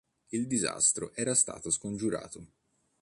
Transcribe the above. Il disastro era stato scongiurato.